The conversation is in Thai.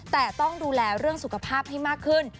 แต่ต้องดูแลเรื่องสุขภาพให้มากขึ้น